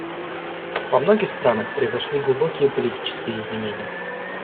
Во многих странах произошли глубокие политические изменения.